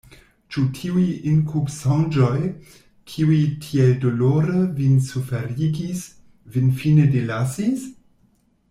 Ĉu tiuj inkubsonĝoj, kiuj tiel dolore vin suferigis, vin fine delasis?